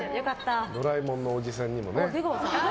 ドラえもんのおじさんにもね。